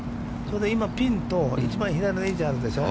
今ピンと一番左のエッジあるでしょう。